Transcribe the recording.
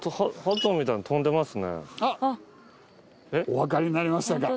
お分かりになりましたか？